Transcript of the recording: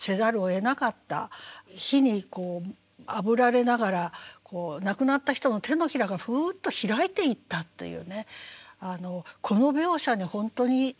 火にあぶられながら亡くなった人の手のひらがふっと開いていったというねこの描写に本当に衝撃を受けます。